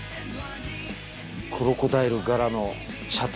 クロコダイル柄のシャツ。